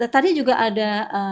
tadi juga ada